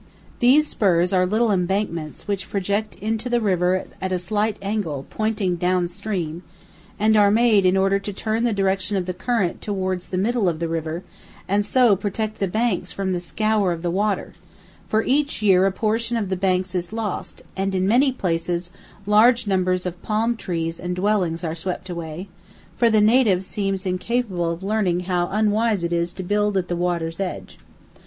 These "spurs" are little embankments which project into the river at a slight angle pointing down stream, and are made in order to turn the direction of the current towards the middle of the river, and so protect the banks from the scour of the water; for each year a portion of the banks is lost, and in many places large numbers of palm trees and dwellings are swept away, for the native seems incapable of learning how unwise it is to build at the water's edge.